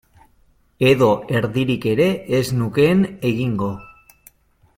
Edo erdirik ere ez nukeen egingo.